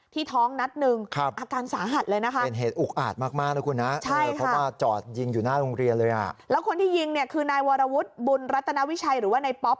ท้องนัดหนึ่งอาการสาหัสเลยนะคะ